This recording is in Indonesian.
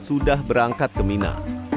sudah berangkat ke mina